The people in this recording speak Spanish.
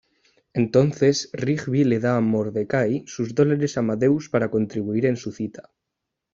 Entonces, Rigby le da a Mordecai sus Dólares Amadeus para contribuir en su cita.